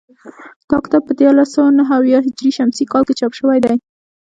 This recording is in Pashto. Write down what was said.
دا کتاب په دیارلس سوه نهه اویا هجري شمسي کال کې چاپ شوی دی